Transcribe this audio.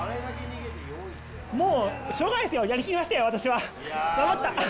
もう、しょうがないですよ、やり切りましたよ、私は。頑張った。